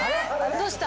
どうした？